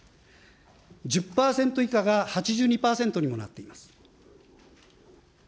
１０％以下が８２％にもなっています。